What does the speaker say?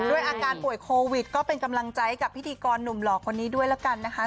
ด้วยอาการป่วยโควิดก็เป็นกำลังใจกับพิธีกรหนุ่มหล่อคนนี้ด้วยแล้วกันนะคะ